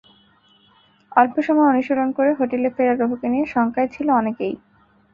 অল্প সময় অনুশীলন করে হোটেলে ফেরা রোহোকে নিয়ে শঙ্কায় ছিল অনেকেই।